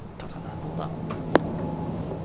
どうだ？